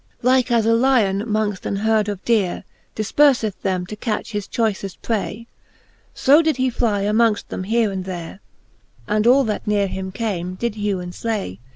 Like as a Lion, mongfl an heard of dere, Difperfeth them to catch his choyfefl pray ; So did he fly amongfl them here and there, And all, that nere him came, did hew and flay.